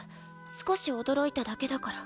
少し驚いただけだから。